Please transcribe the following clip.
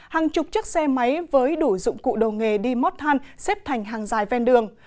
hàng chục chiếc xe máy với đủ dụng cụ đầu nghề đi móc than xếp thành hàng dài ven đường